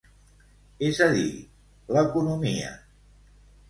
És a dir: l'economia.